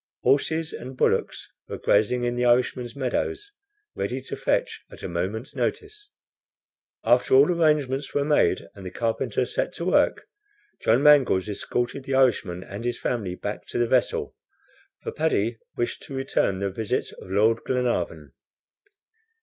Horses and bullocks were grazing in the Irishman's meadows, ready to fetch at a moment's notice. After all arrangements were made, and the carpenter set to work, John Mangles escorted the Irishman and his family back to the vessel, for Paddy wished to return the visit of Lord Glenarvan.